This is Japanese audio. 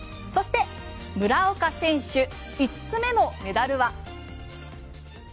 そして、村岡選手５つ目のメダルは。